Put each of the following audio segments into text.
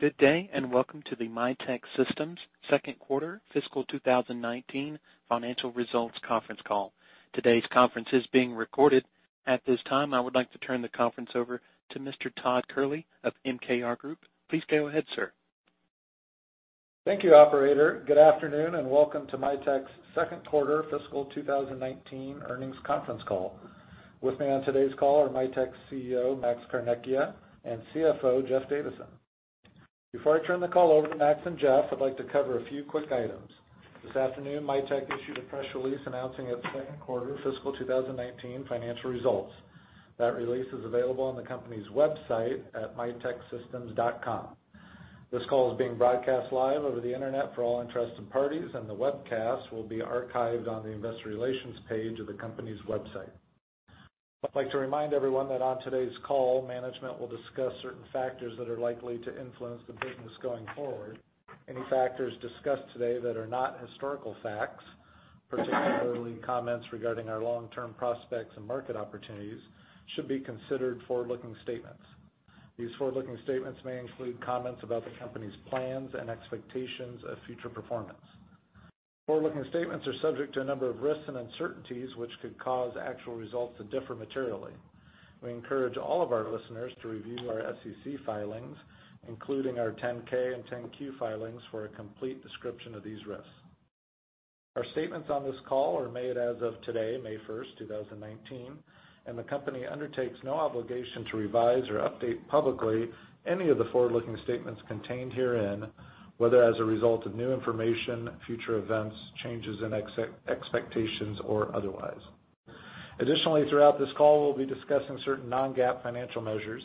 Good day, welcome to the Mitek Systems second quarter fiscal 2019 financial results conference call. Today's conference is being recorded. At this time, I would like to turn the conference over to Mr. Todd Kehrli of MKR Group. Please go ahead, sir. Thank you, operator. Good afternoon, welcome to Mitek's second quarter fiscal 2019 earnings conference call. With me on today's call are Mitek's CEO, Max Carnecchia, and CFO, Jeff Davison. Before I turn the call over to Max and Jeff, I'd like to cover a few quick items. This afternoon, Mitek issued a press release announcing its second quarter fiscal 2019 financial results. That release is available on the company's website at miteksystems.com. This call is being broadcast live over the internet for all interested parties, the webcast will be archived on the investor relations page of the company's website. I'd like to remind everyone that on today's call, management will discuss certain factors that are likely to influence the business going forward. Any factors discussed today that are not historical facts, particularly comments regarding our long-term prospects and market opportunities, should be considered forward-looking statements. These forward-looking statements may include comments about the company's plans and expectations of future performance. Forward-looking statements are subject to a number of risks and uncertainties which could cause actual results to differ materially. We encourage all of our listeners to review our SEC filings, including our 10-K and 10-Q filings, for a complete description of these risks. Our statements on this call are made as of today, May 1st, 2019, the company undertakes no obligation to revise or update publicly any of the forward-looking statements contained herein, whether as a result of new information, future events, changes in expectations, or otherwise. Additionally, throughout this call, we'll be discussing certain non-GAAP financial measures.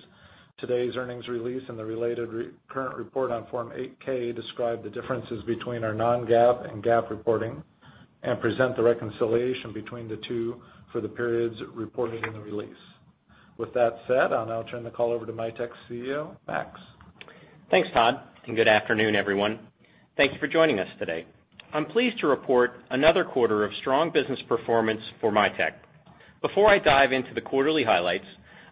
Today's earnings release and the related current report on Form 8-K describe the differences between our non-GAAP and GAAP reporting and present the reconciliation between the two for the periods reported in the release. With that said, I'll now turn the call over to Mitek's CEO, Max. Thanks, Todd, and good afternoon, everyone. Thank you for joining us today. I'm pleased to report another quarter of strong business performance for Mitek. Before I dive into the quarterly highlights,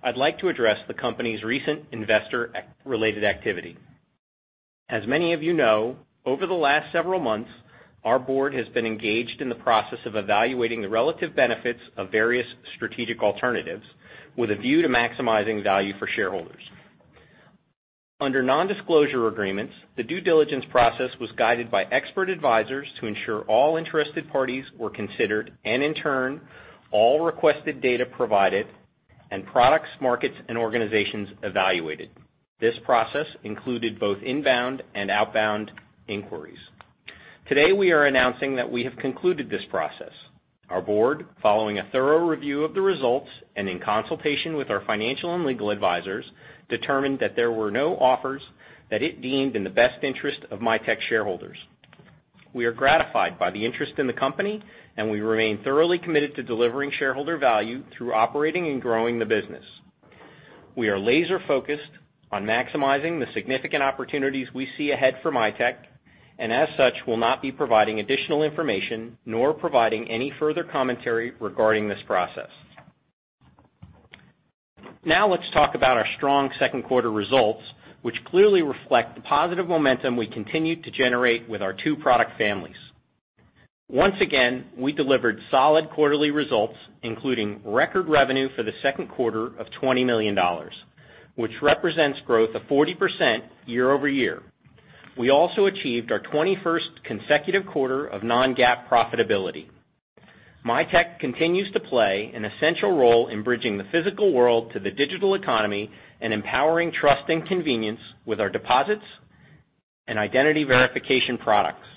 I'd like to address the company's recent investor-related activity. As many of you know, over the last several months, our board has been engaged in the process of evaluating the relative benefits of various strategic alternatives with a view to maximizing value for shareholders. Under non-disclosure agreements, the due diligence process was guided by expert advisors to ensure all interested parties were considered, and in turn, all requested data provided, and products, markets, and organizations evaluated. This process included both inbound and outbound inquiries. Today, we are announcing that we have concluded this process. Our board, following a thorough review of the results and in consultation with our financial and legal advisors, determined that there were no offers that it deemed in the best interest of Mitek shareholders. We are gratified by the interest in the company. We remain thoroughly committed to delivering shareholder value through operating and growing the business. We are laser-focused on maximizing the significant opportunities we see ahead for Mitek. As such, will not be providing additional information nor providing any further commentary regarding this process. Now let's talk about our strong second quarter results, which clearly reflect the positive momentum we continue to generate with our two product families. Once again, we delivered solid quarterly results, including record revenue for the second quarter of $20 million, which represents growth of 40% year-over-year. We also achieved our 21st consecutive quarter of non-GAAP profitability. Mitek continues to play an essential role in bridging the physical world to the digital economy and empowering trust and convenience with our deposits and identity verification products.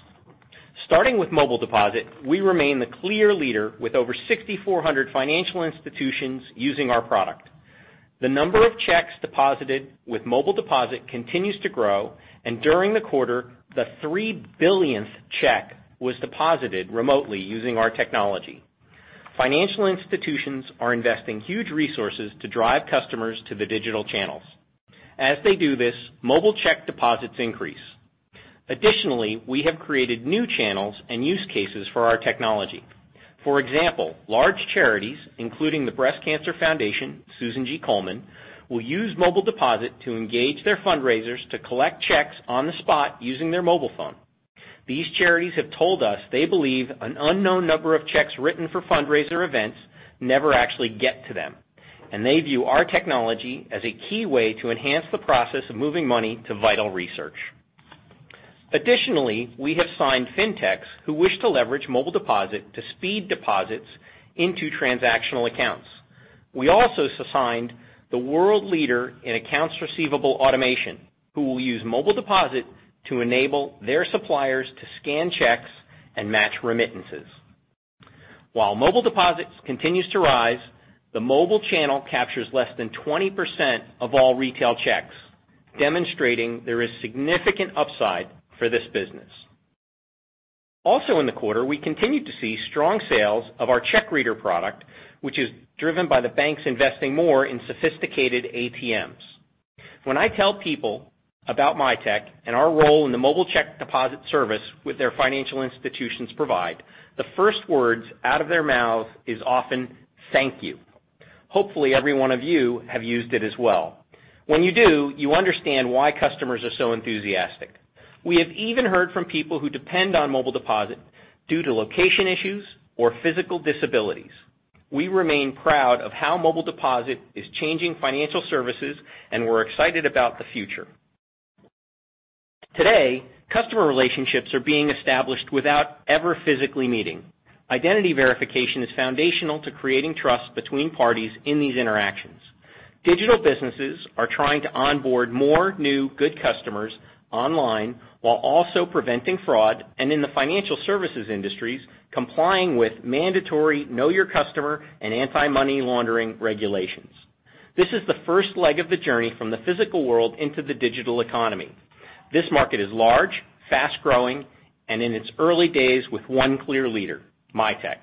Starting with Mobile Deposit, we remain the clear leader with over 6,400 financial institutions using our product. The number of checks deposited with Mobile Deposit continues to grow, and during the quarter, the three billionth check was deposited remotely using our technology. Financial institutions are investing huge resources to drive customers to the digital channels. As they do this, mobile check deposits increase. We have created new channels and use cases for our technology. For example, large charities, including the National Breast Cancer Foundation, Susan G. Komen, will use Mobile Deposit to engage their fundraisers to collect checks on the spot using their mobile phone. These charities have told us they believe an unknown number of checks written for fundraiser events never actually get to them, and they view our technology as a key way to enhance the process of moving money to vital research. We have signed fintechs who wish to leverage Mobile Deposit to speed deposits into transactional accounts. We also signed the world leader in accounts receivable automation, who will use Mobile Deposit to enable their suppliers to scan checks and match remittances. While mobile deposits continues to rise, the mobile channel captures less than 20% of all retail checks, demonstrating there is significant upside for this business. Also in the quarter, we continued to see strong sales of our CheckReader product, which is driven by the banks investing more in sophisticated ATMs. When I tell people about Mitek and our role in the Mobile Deposit service with their financial institutions provide, the first words out of their mouth is often, "Thank you." Hopefully, every one of you have used it as well. When you do, you understand why customers are so enthusiastic. We have even heard from people who depend on Mobile Deposit due to location issues or physical disabilities. We remain proud of how Mobile Deposit is changing financial services. We're excited about the future. Today, customer relationships are being established without ever physically meeting. Identity verification is foundational to creating trust between parties in these interactions. Digital businesses are trying to onboard more new, good customers online while also preventing fraud. In the financial services industries, complying with mandatory Know Your Customer and anti-money laundering regulations. This is the first leg of the journey from the physical world into the digital economy. This market is large, fast-growing, and in its early days with one clear leader, Mitek.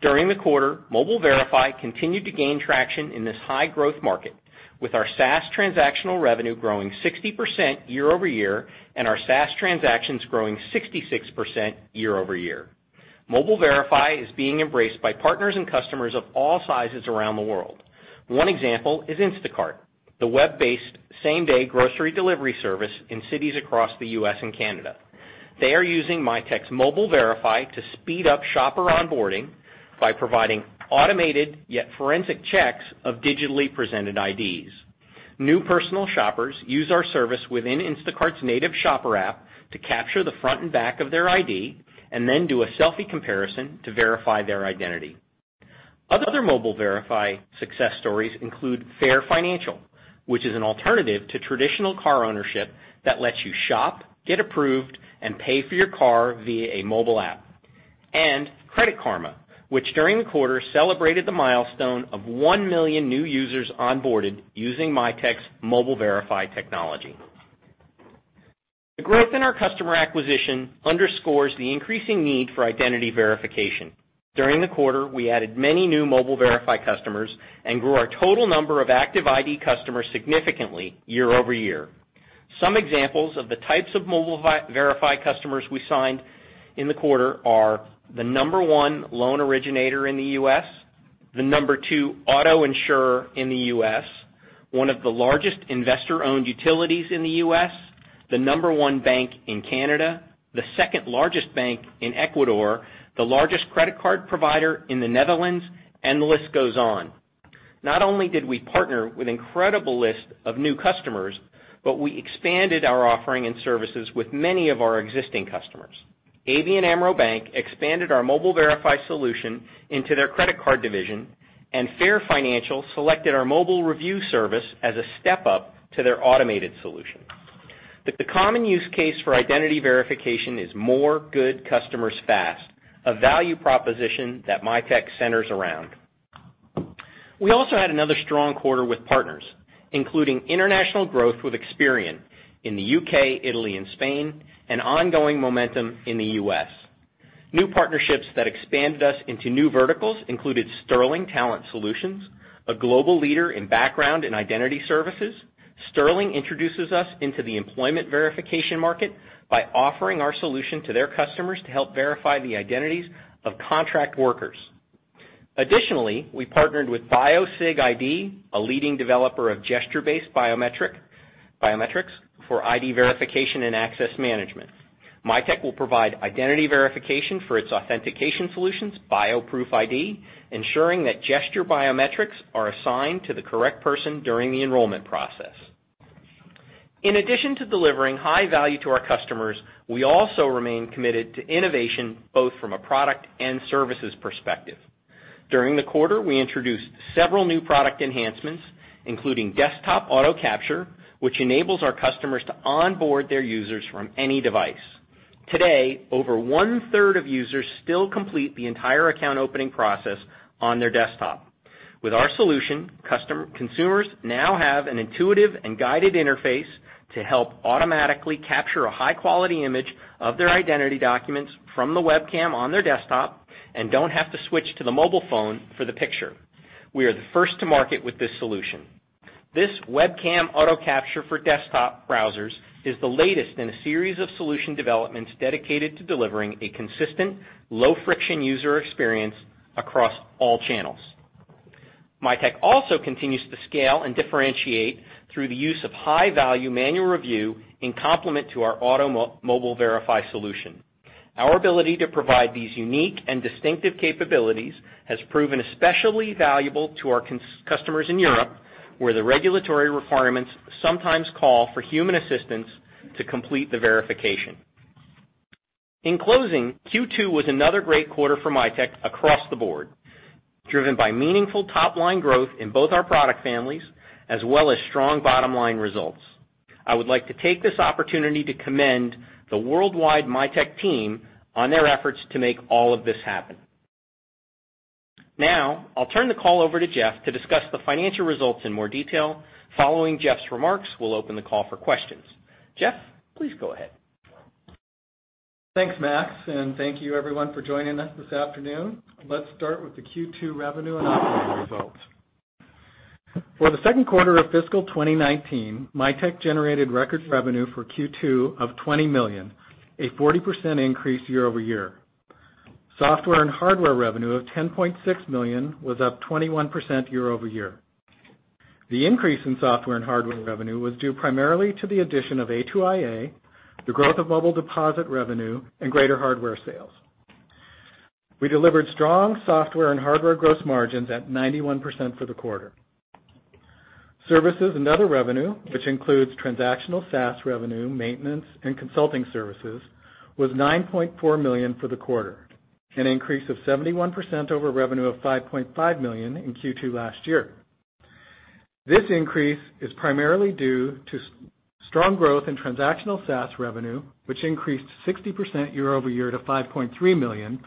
During the quarter, Mobile Verify continued to gain traction in this high-growth market, with our SaaS transactional revenue growing 60% year-over-year and our SaaS transactions growing 66% year-over-year. Mobile Verify is being embraced by partners and customers of all sizes around the world. One example is Instacart, the web-based same-day grocery delivery service in cities across the U.S. and Canada. They are using Mitek's Mobile Verify to speed up shopper onboarding by providing automated yet forensic checks of digitally presented IDs. New personal shoppers use our service within Instacart's native shopper app to capture the front and back of their ID. Then do a selfie comparison to verify their identity. Other Mobile Verify success stories include Fair Financial, which is an alternative to traditional car ownership that lets you shop, get approved, and pay for your car via a mobile app. Credit Karma, which during the quarter celebrated the milestone of 1 million new users onboarded using Mitek's Mobile Verify technology. The growth in our customer acquisition underscores the increasing need for identity verification. During the quarter, we added many new Mobile Verify customers and grew our total number of active ID customers significantly year-over-year. Some examples of the types of Mobile Verify customers we signed in the quarter are the number 1 loan originator in the U.S., the number 2 auto insurer in the U.S., one of the largest investor-owned utilities in the U.S., the number 1 bank in Canada, the second-largest bank in Ecuador, the largest credit card provider in the Netherlands. The list goes on. Not only did we partner with incredible list of new customers. We expanded our offering and services with many of our existing customers. ABN AMRO Bank expanded our Mobile Verify solution into their credit card division. Fair Financial selected our mobile review service as a step-up to their automated solution. The common use case for identity verification is more good customers fast, a value proposition that Mitek centers around. We also had another strong quarter with partners, including international growth with Experian in the U.K., Italy, and Spain, and ongoing momentum in the U.S. New partnerships that expanded us into new verticals included Sterling Talent Solutions, a global leader in background and identity services. Sterling introduces us into the employment verification market by offering our solution to their customers to help verify the identities of contract workers. Additionally, we partnered with BioSig-ID, a leading developer of gesture-based biometrics for ID verification and access management. Mitek will provide identity verification for its authentication solutions, BioProof-ID, ensuring that gesture biometrics are assigned to the correct person during the enrollment process. In addition to delivering high value to our customers, we also remain committed to innovation, both from a product and services perspective. During the quarter, we introduced several new product enhancements, including desktop auto-capture, which enables our customers to onboard their users from any device. Today, over one-third of users still complete the entire account opening process on their desktop. With our solution, consumers now have an intuitive and guided interface to help automatically capture a high-quality image of their identity documents from the webcam on their desktop and don't have to switch to the mobile phone for the picture. We are the first to market with this solution. This webcam auto-capture for desktop browsers is the latest in a series of solution developments dedicated to delivering a consistent, low-friction user experience across all channels. Mitek also continues to scale and differentiate through the use of high-value manual review in complement to our Auto Mobile Verify solution. Our ability to provide these unique and distinctive capabilities has proven especially valuable to our customers in Europe, where the regulatory requirements sometimes call for human assistance to complete the verification. In closing, Q2 was another great quarter for Mitek across the board, driven by meaningful top-line growth in both our product families as well as strong bottom-line results. I would like to take this opportunity to commend the worldwide Mitek team on their efforts to make all of this happen. Now, I'll turn the call over to Jeff to discuss the financial results in more detail. Following Jeff's remarks, we'll open the call for questions. Jeff, please go ahead. Thanks, Max. Thank you everyone for joining us this afternoon. Let's start with the Q2 revenue and operating results. For the second quarter of fiscal 2019, Mitek generated record revenue for Q2 of $20 million, a 40% increase year-over-year. Software and hardware revenue of $10.6 million was up 21% year-over-year. The increase in software and hardware revenue was due primarily to the addition of A2iA, the growth of Mobile Deposit revenue, and greater hardware sales. We delivered strong software and hardware gross margins at 91% for the quarter. Services and other revenue, which includes transactional SaaS revenue, maintenance, and consulting services, was $9.4 million for the quarter, an increase of 71% over revenue of $5.5 million in Q2 last year. This increase is primarily due to strong growth in transactional SaaS revenue, which increased 60% year-over-year to $5.3 million,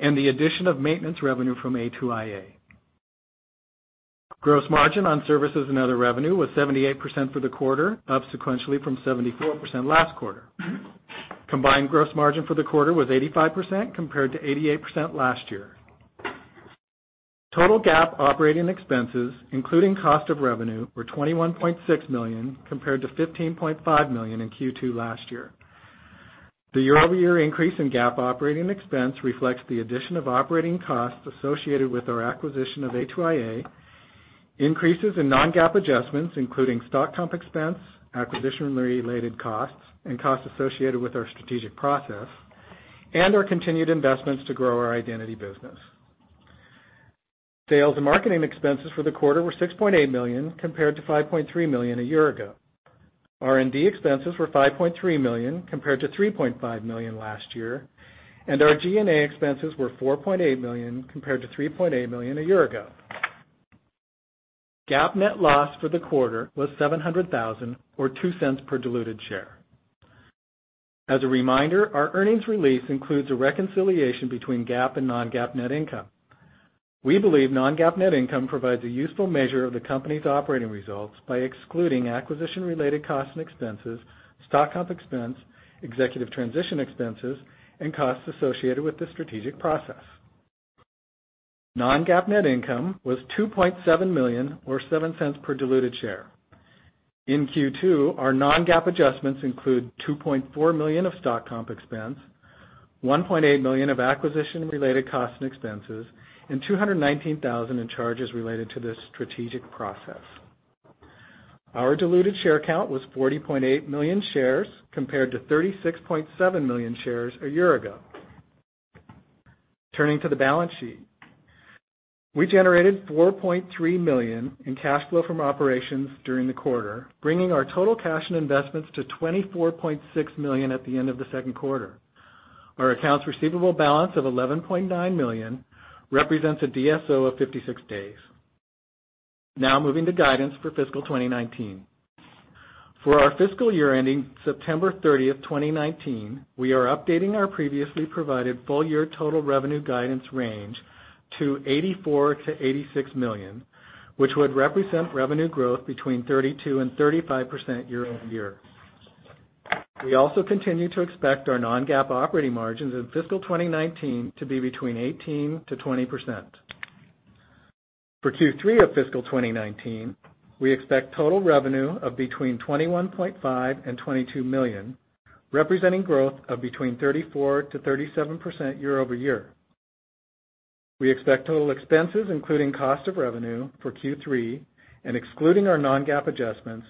and the addition of maintenance revenue from A2iA. Gross margin on services and other revenue was 78% for the quarter, up sequentially from 74% last quarter. Combined gross margin for the quarter was 85%, compared to 88% last year. Total GAAP operating expenses, including cost of revenue, were $21.6 million, compared to $15.5 million in Q2 last year. The year-over-year increase in GAAP operating expense reflects the addition of operating costs associated with our acquisition of A2iA, increases in non-GAAP adjustments, including stock comp expense, acquisition-related costs, and costs associated with our strategic process, and our continued investments to grow our identity business. Sales and marketing expenses for the quarter were $6.8 million, compared to $5.3 million a year ago. R&D expenses were $5.3 million, compared to $3.5 million last year. Our G&A expenses were $4.8 million, compared to $3.8 million a year ago. GAAP net loss for the quarter was $700,000 or $0.02 per diluted share. As a reminder, our earnings release includes a reconciliation between GAAP and non-GAAP net income. We believe non-GAAP net income provides a useful measure of the company's operating results by excluding acquisition-related costs and expenses, stock comp expense, executive transition expenses, and costs associated with the strategic process. Non-GAAP net income was $2.7 million or $0.07 per diluted share. In Q2, our non-GAAP adjustments include $2.4 million of stock comp expense, $1.8 million of acquisition-related costs and expenses, and $219,000 in charges related to the strategic process. Our diluted share count was 40.8 million shares compared to 36.7 million shares a year ago. Turning to the balance sheet. We generated $4.3 million in cash flow from operations during the quarter, bringing our total cash and investments to $24.6 million at the end of the second quarter. Our accounts receivable balance of $11.9 million represents a DSO of 56 days. Moving to guidance for fiscal 2019. For our fiscal year ending September 30th, 2019, we are updating our previously provided full year total revenue guidance range to $84 million-$86 million, which would represent revenue growth between 32%-35% year-over-year. We also continue to expect our non-GAAP operating margins in fiscal 2019 to be between 18%-20%. For Q3 of fiscal 2019, we expect total revenue of between $21.5 million-$22 million, representing growth of between 34%-37% year-over-year. We expect total expenses, including cost of revenue for Q3 and excluding our non-GAAP adjustments,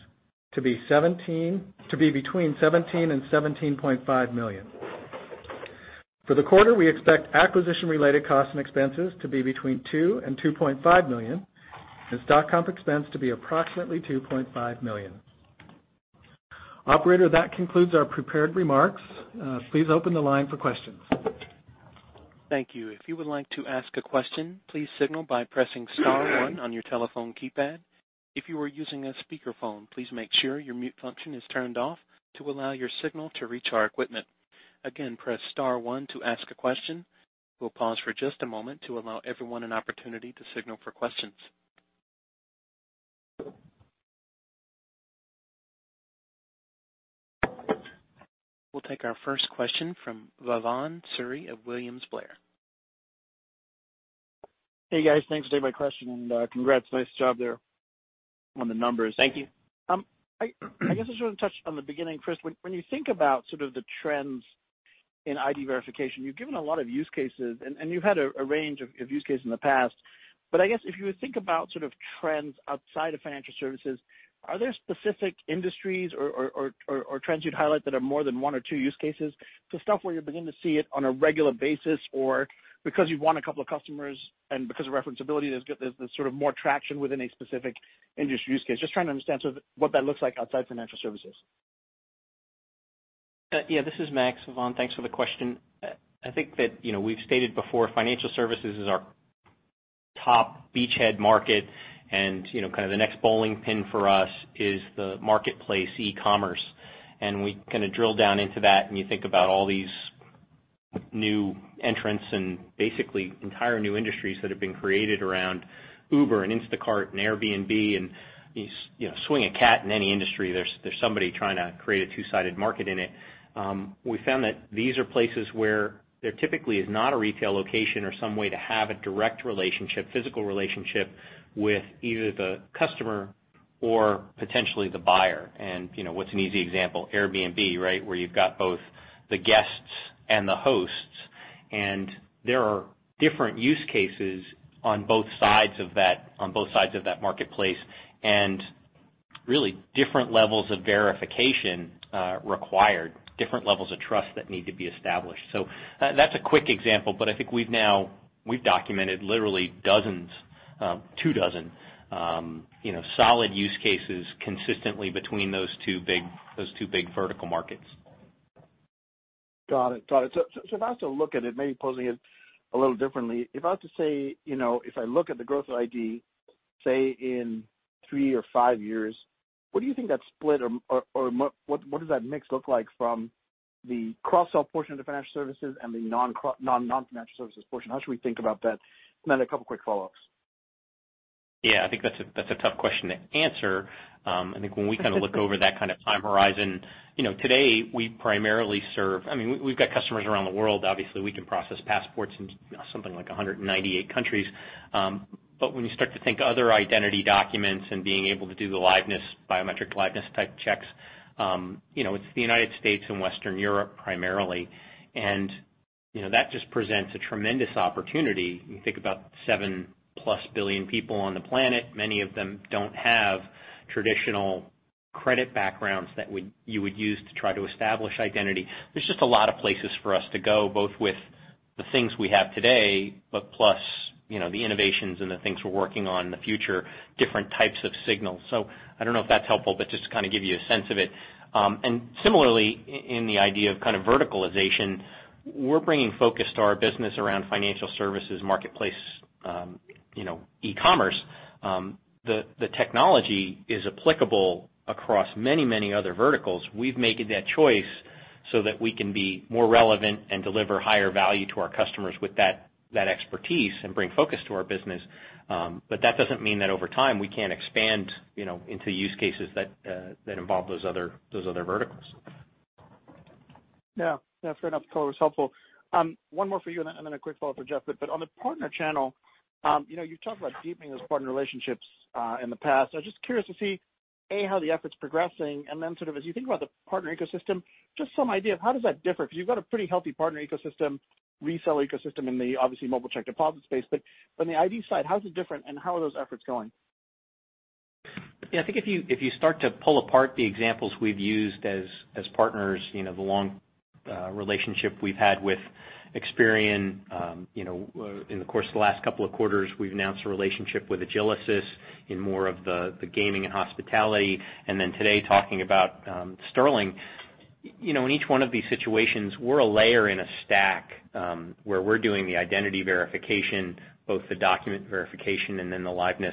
to be between $17 million-$17.5 million. For the quarter, we expect acquisition-related costs and expenses to be between $2 million-$2.5 million and stock comp expense to be approximately $2.5 million. Operator, that concludes our prepared remarks. Please open the line for questions. Thank you. If you would like to ask a question, please signal by pressing star one on your telephone keypad. If you are using a speakerphone, please make sure your mute function is turned off to allow your signal to reach our equipment. Again, press star one to ask a question. We'll pause for just a moment to allow everyone an opportunity to signal for questions. We'll take our first question from Bhavan Suri of William Blair. Hey, guys. Thanks for taking my question and congrats. Nice job there on the numbers. Thank you. I guess I just want to touch on the beginning, Max, when you think about the trends in ID verification, you've given a lot of use cases, and you've had a range of use cases in the past. I guess if you think about trends outside of financial services, are there specific industries or trends you'd highlight that are more than one or two use cases? Stuff where you're beginning to see it on a regular basis, or because you've won a couple of customers and because of referenceability, there's more traction within a specific industry use case. Just trying to understand what that looks like outside financial services. Yeah, this is Max. Bhavan, thanks for the question. I think that we've stated before, financial services is our top beachhead market and the next bowling pin for us is the marketplace e-commerce. We drill down into that and you think about all these new entrants and basically entire new industries that have been created around Uber and Instacart and Airbnb and You swing a cat in any industry, there's somebody trying to create a two-sided market in it. We found that these are places where there typically is not a retail location or some way to have a direct relationship, physical relationship with either the customer or potentially the buyer. What's an easy example? Airbnb, right? Where you've got both the guests and the hosts, and there are different use cases on both sides of that marketplace, and really different levels of verification required, different levels of trust that need to be established. That's a quick example, but I think we've now documented literally dozens, two dozen solid use cases consistently between those two big vertical markets. Got it. If I was to look at it, maybe posing it a little differently, if I was to say, if I look at the growth of ID, say, in three or five years, what do you think that split or what does that mix look like from the cross-sell portion of the financial services and the non-financial services portion? How should we think about that? Then a couple quick follow-ups. Yeah, I think that's a tough question to answer. We've got customers around the world. Obviously, we can process passports in something like 198 countries. When you start to think other identity documents and being able to do the biometric liveness type checks, it's the United States and Western Europe primarily. That just presents a tremendous opportunity. You think about seven-plus billion people on the planet, many of them don't have traditional credit backgrounds that you would use to try to establish identity. There's just a lot of places for us to go, both with the things we have today, but plus the innovations and the things we're working on in the future, different types of signals. I don't know if that's helpful, but just to give you a sense of it. Similarly, in the idea of verticalization, we're bringing focus to our business around financial services, marketplace, e-commerce. The technology is applicable across many other verticals. We've made that choice so that we can be more relevant and deliver higher value to our customers with that expertise and bring focus to our business. That doesn't mean that over time we can't expand into use cases that involve those other verticals. Yeah. Fair enough. The color was helpful. One more for you, and then a quick follow-up for Jeff. On the partner channel, you've talked about deepening those partner relationships in the past. I was just curious to see, A, how the effort's progressing, and then sort of as you think about the partner ecosystem, just some idea of how does that differ? Because you've got a pretty healthy partner ecosystem, reseller ecosystem in the obviously mobile check deposit space. On the ID side, how is it different and how are those efforts going? Yeah, I think if you start to pull apart the examples we've used as partners, the long relationship we've had with Experian. In the course of the last couple of quarters, we've announced a relationship with Agilysys in more of the gaming and hospitality, then today talking about Sterling. In each one of these situations, we're a layer in a stack, where we're doing the identity verification, both the document verification and then the liveness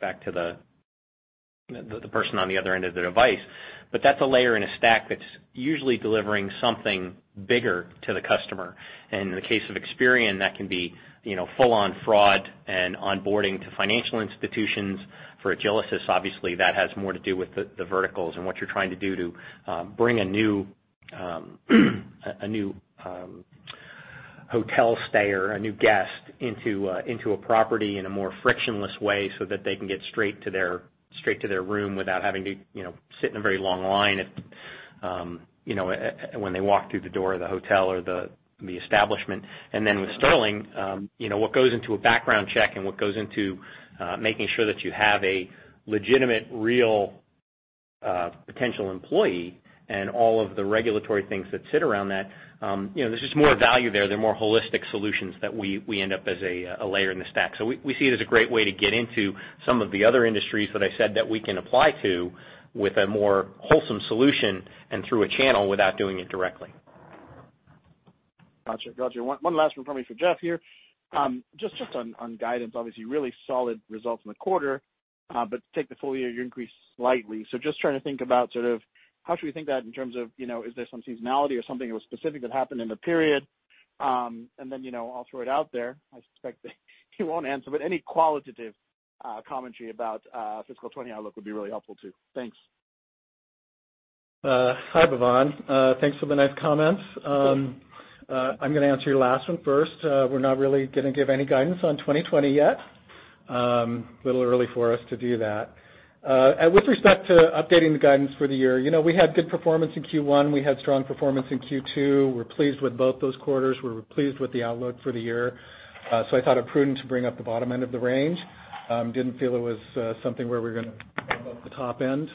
back to the person on the other end of the device. That's a layer in a stack that's usually delivering something bigger to the customer. In the case of Experian, that can be full-on fraud and onboarding to financial institutions. For Agilysys, obviously that has more to do with the verticals and what you're trying to do to bring a new hotel stayer, a new guest into a property in a more frictionless way so that they can get straight to their room without having to sit in a very long line when they walk through the door of the hotel or the establishment. Then with Sterling, what goes into a background check and what goes into making sure that you have a legitimate, real potential employee and all of the regulatory things that sit around that. There's just more value there. They're more holistic solutions that we end up as a layer in the stack. We see it as a great way to get into some of the other industries that I said that we can apply to with a more wholesome solution and through a channel without doing it directly. Got you. One last one probably for Jeff here. Just on guidance, obviously really solid results in the quarter. Take the full year, you increased slightly. Just trying to think about sort of how should we think that in terms of, is there some seasonality or something that was specific that happened in the period? Then I'll throw it out there. I suspect that he won't answer, but any qualitative commentary about fiscal 2020 outlook would be really helpful too. Thanks. Hi, Bhavan. Thanks for the nice comments. I'm going to answer your last one first. We're not really going to give any guidance on 2020 yet. It's little early for us to do that. With respect to updating the guidance for the year, we had good performance in Q1. We had strong performance in Q2. We're pleased with both those quarters. We're pleased with the outlook for the year. I thought it prudent to bring up the bottom end of the range. I didn't feel it was something where we were going to give up the top end.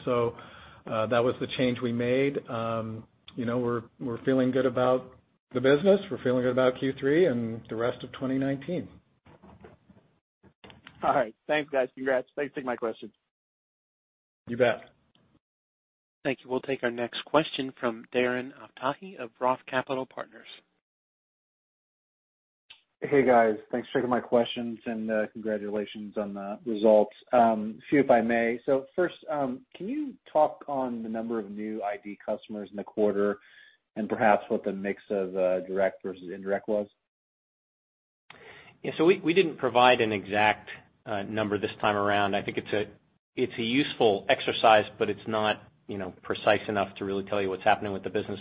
That was the change we made. We're feeling good about the business. We're feeling good about Q3 and the rest of 2019. All right. Thanks, guys. Congrats. Thanks for taking my questions. You bet. Thank you. We'll take our next question from Darren Aftahi of ROTH Capital Partners. Hey, guys. Thanks for taking my questions, and congratulations on the results. Few, if I may. First, can you talk on the number of new ID customers in the quarter and perhaps what the mix of direct versus indirect was? We didn't provide an exact number this time around. I think it's a useful exercise, but it's not precise enough to really tell you what's happening with the business.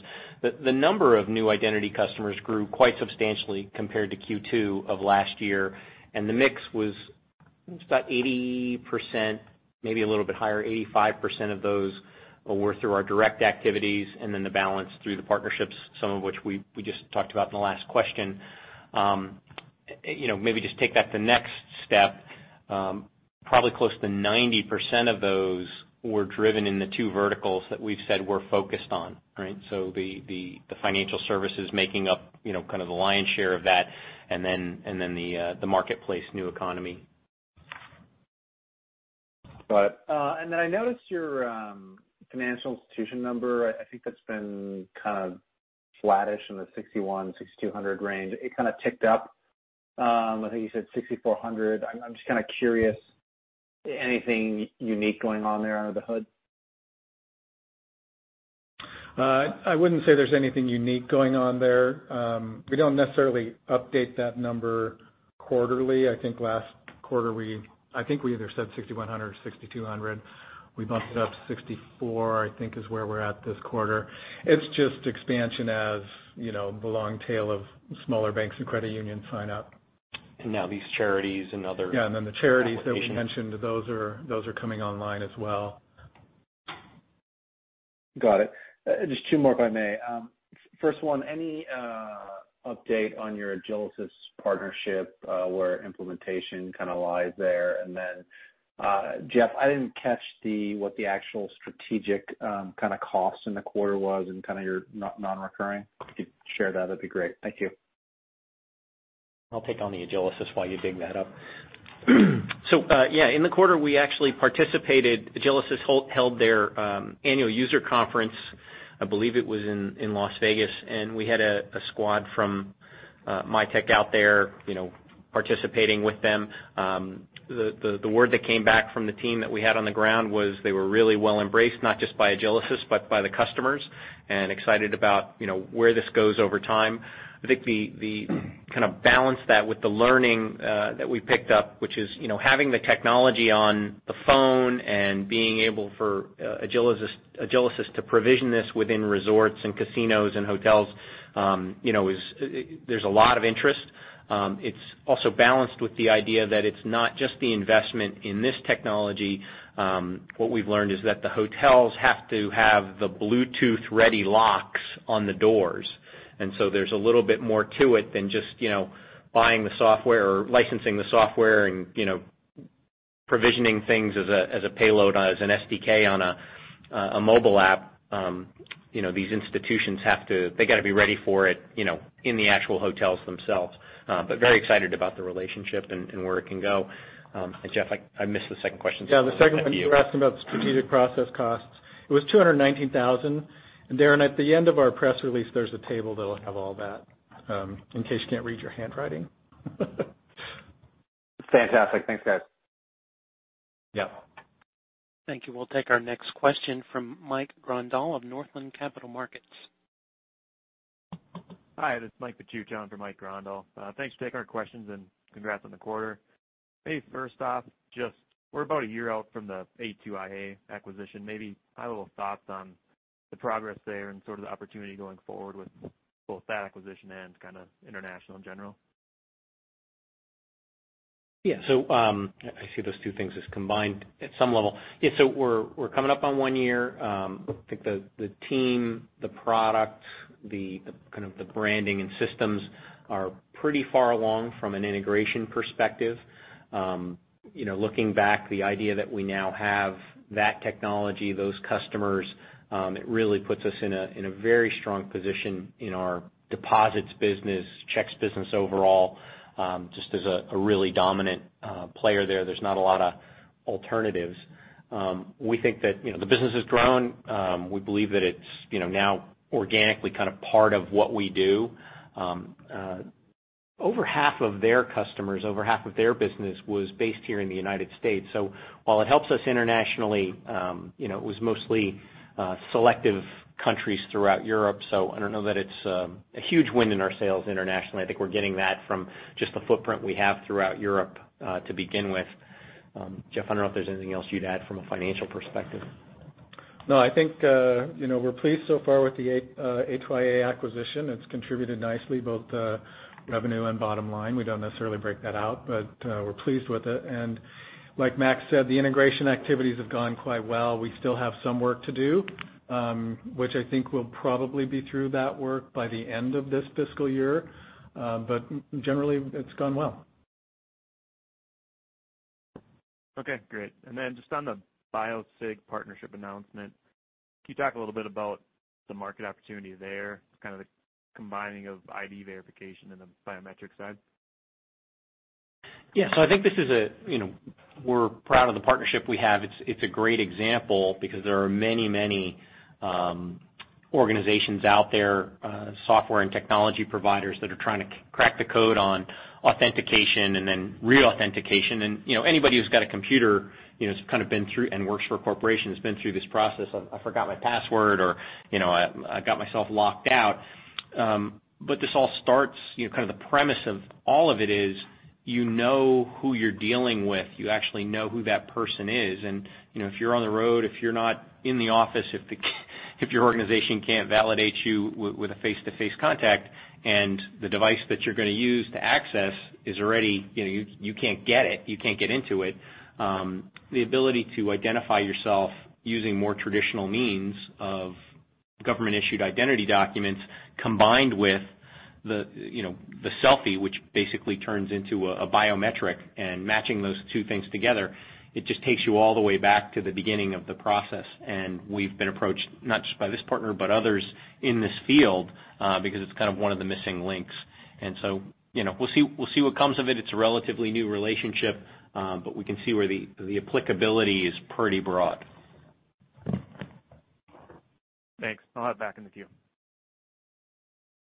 The number of new identity customers grew quite substantially compared to Q2 of last year, the mix was about 80%, maybe a little bit higher, 85% of those were through our direct activities, and then the balance through the partnerships, some of which we just talked about in the last question. Just take that to the next step. Probably close to 90% of those were driven in the two verticals that we've said we're focused on. Right? The financial services making up the lion's share of that and then the marketplace new economy. Got it. I noticed your financial institution number. I think that's been kind of flattish in the 6,100, 6,200 range. It kind of ticked up. I think you said 6,400. I'm just curious, anything unique going on there under the hood? I wouldn't say there's anything unique going on there. We don't necessarily update that number quarterly. I think last quarter, I think we either said 6,100 or 6,200. We bumped it up to 6,400, I think is where we're at this quarter. It's just expansion as the long tail of smaller banks and credit unions sign up. Now these charities and other applications. Yeah, the charities that we mentioned, those are coming online as well. Got it. Just two more, if I may. First one, any update on your Agilysys partnership where implementation lies there? Jeff, I didn't catch what the actual strategic cost in the quarter was and your non-recurring. If you could share that'd be great. Thank you. I'll take on the Agilysys while you dig that up. Yeah, in the quarter, we actually participated. Agilysys held their annual user conference, I believe it was in Las Vegas. We had a squad from Mitek out there participating with them. The word that came back from the team that we had on the ground was they were really well embraced, not just by Agilysys, but by the customers, and excited about where this goes over time. I think the balance that with the learning that we picked up, which is having the technology on the phone and being able for Agilysys to provision this within resorts and casinos and hotels. There's a lot of interest. It's also balanced with the idea that it's not just the investment in this technology. What we've learned is that the hotels have to have the Bluetooth-ready locks on the doors. There's a little bit more to it than just buying the software or licensing the software and provisioning things as a payload, as an SDK on a mobile app. These institutions have to be ready for it in the actual hotels themselves. Very excited about the relationship and where it can go. Jeff, I missed the second question. I'll leave that to you. Yeah, the second one you were asking about the strategic process costs. It was $219,000. Darren, at the end of our press release, there's a table that'll have all that, in case you can't read your handwriting. Fantastic. Thanks, guys. Yeah. Thank you. We'll take our next question from Mike Grondahl of Northland Capital Markets. Hi, this is Mike Papiach in for Mike Grondahl. Thanks for taking our questions, and congrats on the quarter. First off, just we're about a year out from the A2iA acquisition. High-level thoughts on the progress there and sort of the opportunity going forward with both that acquisition and kind of international in general. Yeah. I see those two things as combined at some level. Yeah, we're coming up on one year. I think the team, the product, the branding, and systems are pretty far along from an integration perspective. Looking back, the idea that we now have that technology, those customers, it really puts us in a very strong position in our deposits business, checks business overall, just as a really dominant player there. There's not a lot of alternatives. We think that the business has grown. We believe that it's now organically part of what we do. Over half of their customers, over half of their business was based here in the United States. While it helps us internationally, it was mostly selective countries throughout Europe. I don't know that it's a huge win in our sales internationally. I think we're getting that from just the footprint we have throughout Europe to begin with. Jeff, I don't know if there's anything else you'd add from a financial perspective. I think we're pleased so far with the A2iA acquisition. It's contributed nicely, both the revenue and bottom line. We don't necessarily break that out, but we're pleased with it. Like Max said, the integration activities have gone quite well. We still have some work to do, which I think we'll probably be through that work by the end of this fiscal year. Generally, it's gone well. Okay, great. Just on the BioSig partnership announcement, can you talk a little bit about the market opportunity there, kind of the combining of ID verification and the biometric side? Yeah. I think we're proud of the partnership we have. It's a great example because there are many organizations out there, software and technology providers that are trying to crack the code on authentication and then re-authentication. Anybody who's got a computer and works for a corporation has been through this process of I forgot my password, or I got myself locked out. This all starts, the premise of all of it is you know who you're dealing with. You actually know who that person is. If you're on the road, if you're not in the office, if your organization can't validate you with a face-to-face contact and the device that you're going to use to access, you can't get it, you can't get into it. The ability to identify yourself using more traditional means of government-issued identity documents combined with the selfie, which basically turns into a biometric and matching those two things together, it just takes you all the way back to the beginning of the process. We've been approached not just by this partner but others in this field because it's one of the missing links. We'll see what comes of it. It's a relatively new relationship, but we can see where the applicability is pretty broad. Thanks. I'll hop back in the queue.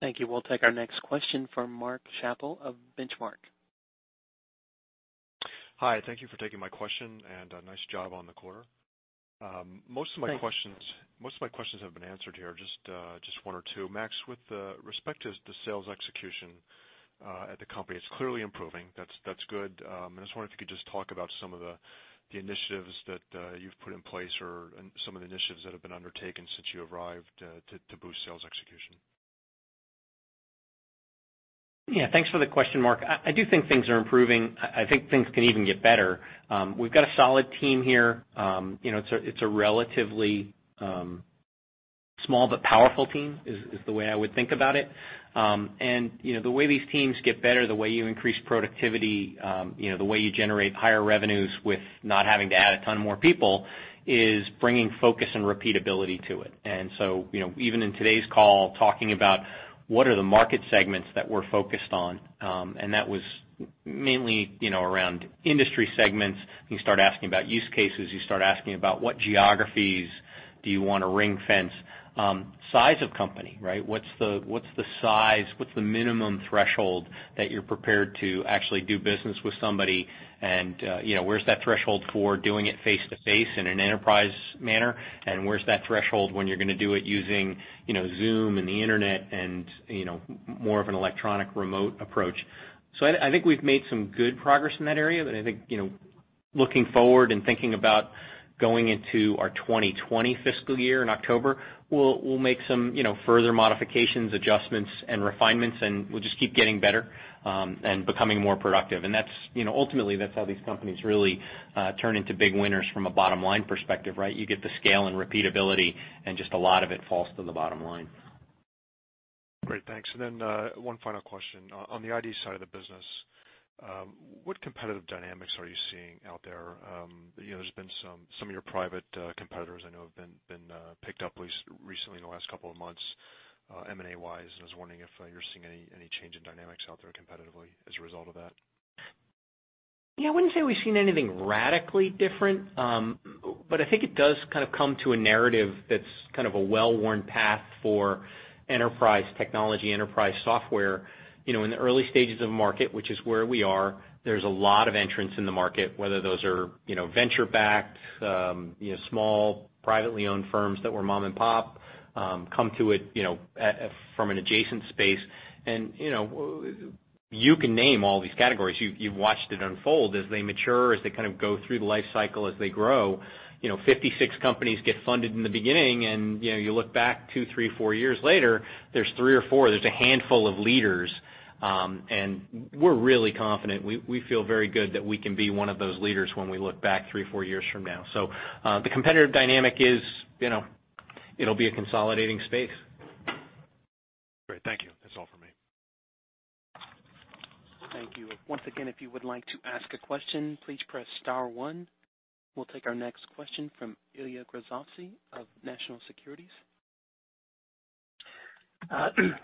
Thank you. We'll take our next question from Mark Schappel of Benchmark. Hi. Thank you for taking my question, and nice job on the quarter. Thanks. Most of my questions have been answered here. Just one or two. Max, with respect to the sales execution at the company, it's clearly improving. That's good. I just wonder if you could just talk about some of the initiatives that you've put in place or some of the initiatives that have been undertaken since you arrived to boost sales execution. Yeah, thanks for the question, Mark. I do think things are improving. I think things can even get better. We've got a solid team here. It's a relatively small but powerful team, is the way I would think about it. The way these teams get better, the way you increase productivity, the way you generate higher revenues with not having to add a ton more people is bringing focus and repeatability to it. Even in today's call, talking about what are the market segments that we're focused on, and that was mainly around industry segments. You start asking about use cases, you start asking about what geographies do you want to ring-fence. Size of company. What's the size, what's the minimum threshold that you're prepared to actually do business with somebody and where's that threshold for doing it face-to-face in an enterprise manner, and where's that threshold when you're going to do it using Zoom and the internet and more of an electronic remote approach? I think we've made some good progress in that area. I think looking forward and thinking about going into our 2020 fiscal year in October, we'll make some further modifications, adjustments, and refinements, and we'll just keep getting better and becoming more productive. Ultimately, that's how these companies really turn into big winners from a bottom-line perspective. You get the scale and repeatability and just a lot of it falls to the bottom line. Great. Thanks. Then one final question. On the ID side of the business, what competitive dynamics are you seeing out there? Some of your private competitors I know have been picked up recently in the last couple of months M&A-wise. I was wondering if you're seeing any change in dynamics out there competitively as a result of that. Yeah, I wouldn't say we've seen anything radically different. I think it does come to a narrative that's a well-worn path for enterprise technology, enterprise software. In the early stages of a market, which is where we are, there's a lot of entrants in the market, whether those are venture-backed, small privately owned firms that were mom and pop, come to it from an adjacent space. You can name all these categories. You've watched it unfold as they mature, as they go through the life cycle, as they grow. 56 companies get funded in the beginning and you look back two, three, four years later, there's three or four, there's a handful of leaders. We're really confident. We feel very good that we can be one of those leaders when we look back three or four years from now. The competitive dynamic is it'll be a consolidating space. Great. Thank you. That's all for me. Thank you. Once again, if you would like to ask a question, please press star one. We'll take our next question from Ilya Grozovsky of National Securities.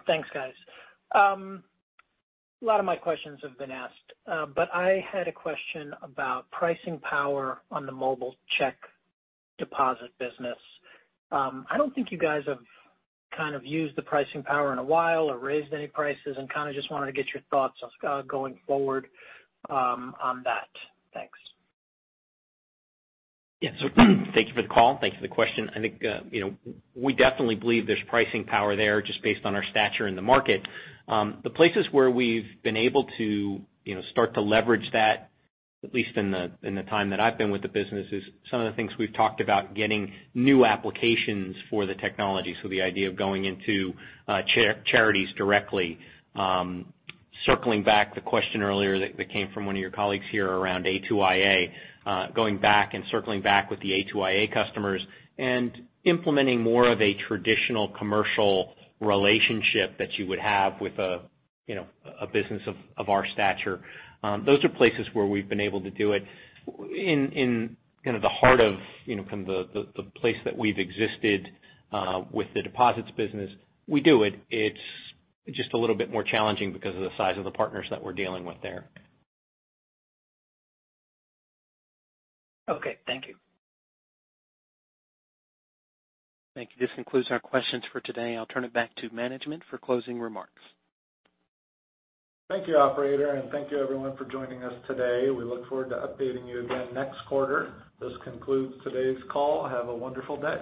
Thanks, guys. A lot of my questions have been asked. I had a question about pricing power on the mobile check deposit business. I don't think you guys have used the pricing power in a while or raised any prices and kind of just wanted to get your thoughts going forward on that. Thanks. Yeah. Thank you for the call. Thank you for the question. I think we definitely believe there's pricing power there just based on our stature in the market. The places where we've been able to start to leverage that, at least in the time that I've been with the business, is some of the things we've talked about, getting new applications for the technology. The idea of going into charities directly. Circling back the question earlier that came from one of your colleagues here around A2iA, going back and circling back with the A2iA customers and implementing more of a traditional commercial relationship that you would have with a business of our stature. Those are places where we've been able to do it. In the heart of the place that we've existed with the deposits business, we do it. It's just a little bit more challenging because of the size of the partners that we're dealing with there. Okay. Thank you. Thank you. This concludes our questions for today. I'll turn it back to management for closing remarks. Thank you, operator, and thank you everyone for joining us today. We look forward to updating you again next quarter. This concludes today's call. Have a wonderful day.